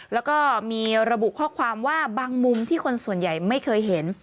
แล้วก็มีระบุข้อความว่าบางมุมที่คนส่วนใหญ่ไม่เคยเห็น